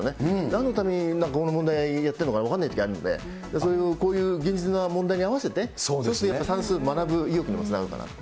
なんのために、みんなこの問題をやっているのか分かんないときあるんで、こういう現実な問題に合わせて、ちょっとやっぱり、算数、学ぶ意欲にもつながるかなと。